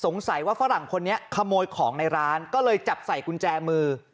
สงสัยว่าฝรั่งคนนี้ขโมยของในร้านก็เลยจับใส่กุญแจมือ